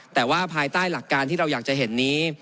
แต่ว่าภายใต้หลักการที่เราอยากจะเห็นนี้